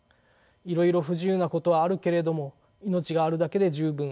いろいろ不自由なことはあるけれども命があるだけで十分。